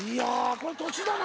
これ年だな。